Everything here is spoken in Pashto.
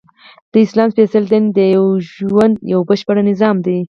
د اسلام سپیڅلی دین د ژوند یؤ بشپړ نظام دی!